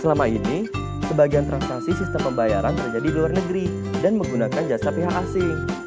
selama ini sebagian transaksi sistem pembayaran terjadi di luar negeri dan menggunakan jasa pihak asing